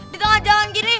ditengah jalan gini